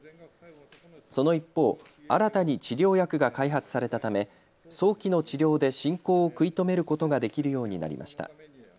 その一方、新たに治療薬が開発されたため早期の治療で進行を食い止めることができるようになりました。